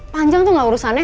panjang tuh gak urusannya